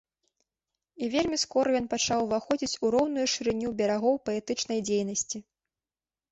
І вельмі скора ён пачаў уваходзіць у роўную шырыню берагоў паэтычнай дзейнасці.